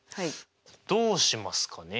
どうしますかね？